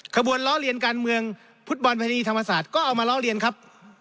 ขบวนล้อเลียนการเมืองฟุตบอลพนีธรรมศาสตร์ก็เอามาล้อเรียนครับ